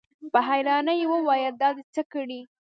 په حيرانۍ يې وويل: دا دې څه کړي؟